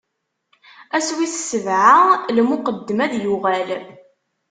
Ass wis sebɛa, lmuqeddem ad yuɣal.